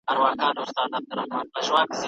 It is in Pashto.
مامورین د انګریزانو او مهاراجا ترمنځ منځګړیتوب کوي.